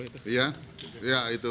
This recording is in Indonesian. dia itu sesemangatye